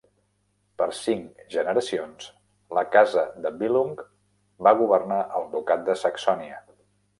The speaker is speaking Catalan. Per cinc generacions, la casa de Billung va governar el Ducat de Saxònia.